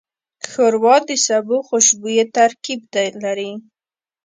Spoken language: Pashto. ښوروا د سبو خوشبویه ترکیب لري.